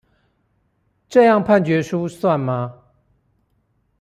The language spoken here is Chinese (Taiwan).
這樣判決書算嗎？